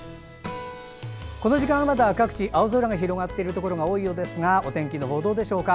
この時間は、まだ各地青空が広がっているところが多いようですがお天気のほう、どうでしょうか。